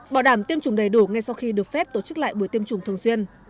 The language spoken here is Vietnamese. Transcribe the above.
bảo đảm tiêm chủng đầy đủ ngay sau khi được phép tổ chức lại buổi tiêm chủng thường xuyên